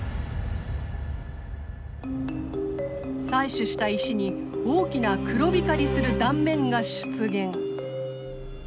採取した石に大きな黒光りする断面が出現。